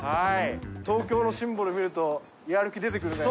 東京のシンボル見るとやる気出てくるね。